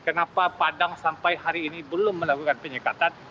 kenapa padang sampai hari ini tidak melakukan pertemuan